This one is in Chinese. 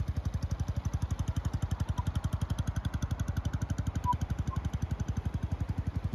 我站了起来